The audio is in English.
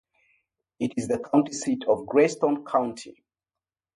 It is the county seat of Grayson County.